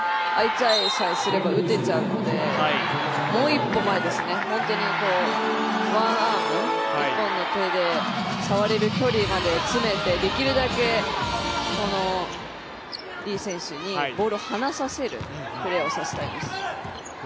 ちゃえさえすれば打てちゃうのでもう一歩前ですね、本当に、ワンアーム、一本の手で触れる距離まで詰めてできるだけリ選手にボールをはなさせるプレーをさせたいです。